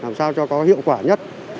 làm sao cho có hiệu quả nhất